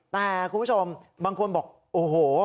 แต่คุณผู้ชมบางคนบอกโอ้โห